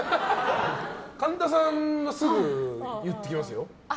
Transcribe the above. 神田さんはすぐ言ってきますよ。